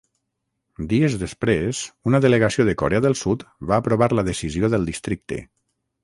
Dies després, una delegació de Corea del Sud va aprovar la decisió del districte.